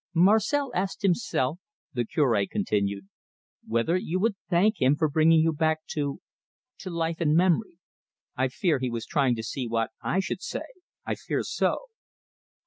"Marcel asked himself," the Cure continued, "whether you would thank him for bringing you back to to life and memory. I fear he was trying to see what I should say I fear so.